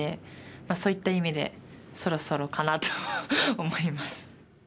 まあそういった意味でそろそろかなと思います。